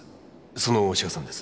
その志賀さんです。